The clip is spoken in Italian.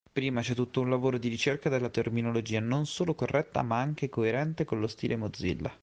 Prima c'è tutto un lavoro di ricerca della terminologia non solo corretta, ma anche coerente con lo stile Mozilla.